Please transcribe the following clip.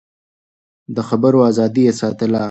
د خبرو ازادي يې ساتله.